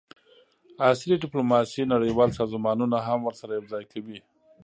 عصري ډیپلوماسي نړیوال سازمانونه هم ورسره یوځای کوي